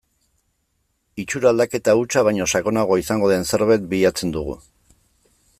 Itxura aldaketa hutsa baino sakonagoa izango den zerbait bilatzen dugu.